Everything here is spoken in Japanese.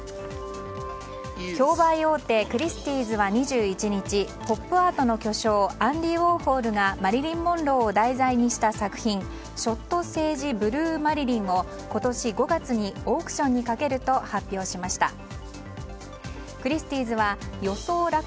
競売大手クリスティーズは２１日ポップアートの巨匠アンディ・ウォーホルがマリリン・モンローを題材にした作品「ショット・セージ・ブルー・マリリン」を今年５月にオークションにかけると発表しました。